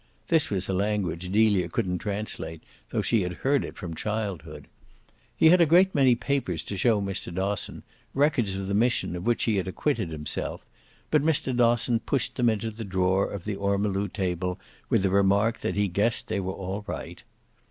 This was a language Delia couldn't translate, though she had heard it from childhood. He had a great many papers to show Mr. Dosson, records of the mission of which he had acquitted himself, but Mr. Dosson pushed them into the drawer of the ormolu table with the remark that he guessed they were all right.